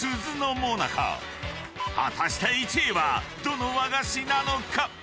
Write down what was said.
［果たして１位はどの和菓子なのか？］